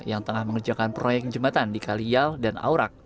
yang tengah mengerjakan proyek jembatan di kalial dan aurak